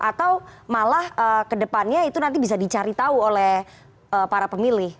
atau malah ke depannya itu nanti bisa dicari tahu oleh para pemilih